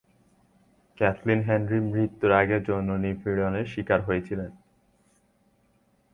Kathleen Henry মৃত্যুর আগে যৌন নিপীড়নের শিকার হয়েছিলেন।